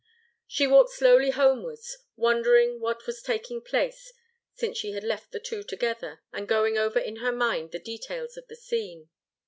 She walked slowly homewards, wondering what was taking place since she had left the two together, and going over in her mind the details of the scene.